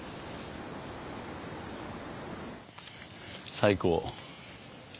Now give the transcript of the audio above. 最高！